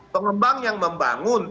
pengembang yang membangun